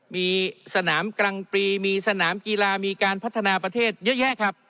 มีสนามกลางปีมีสนามกีฬามีการพัฒนาประเทศเยอะแยะครับ